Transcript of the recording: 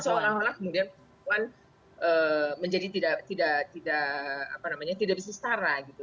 seolah olah kemudian perempuan menjadi tidak bisa setara gitu